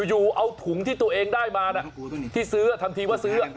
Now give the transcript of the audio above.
อยู่เอาถุงที่ตัวเองได้มาที่ซื้อทำทีว่าซื้อ